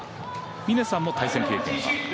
峰さんも対戦経験が？